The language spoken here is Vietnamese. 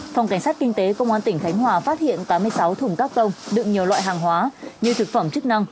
phòng cảnh sát kinh tế công an tỉnh khánh hòa phát hiện tám mươi sáu thùng các tông đựng nhiều loại hàng hóa như thực phẩm chức năng